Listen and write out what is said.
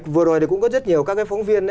vừa rồi thì cũng có rất nhiều các phóng viên